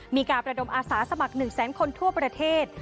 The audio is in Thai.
มีการประดมอาสาสมัคร๑แสนคนทั่วประเทศ